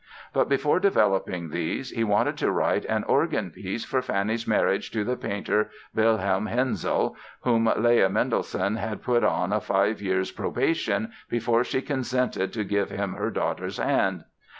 But before developing these he wanted to write an organ piece for Fanny's marriage to the painter, Wilhelm Hensel (whom Leah Mendelssohn had put on a five years' "probation" before she consented to give him her daughter's hand!)